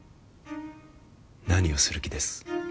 何をする気です？